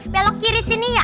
belok kiri sini ya